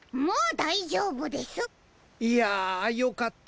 いやよかった。